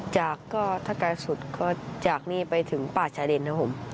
จากก็ถ้าไกลสุดก็จากนี้ไปถึงป่าชายเดนครับผม